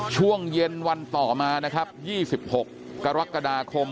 ช่วงเย็นวันต่อมานะครับ๒๖กรกฎาคม